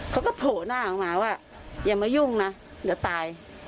เขาก็โผล่หน้าออกมาว่าอย่ามายุ่งนะเดี๋ยวตาย